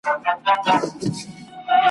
ستا له باړخو ستا له نتکۍ ستا له پېزوانه سره ..